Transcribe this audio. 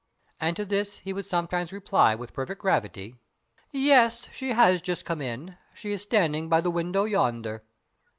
And to this he would sometimes reply with perfect gravity: "Yes, she has just come in: she is standing by the window yonder."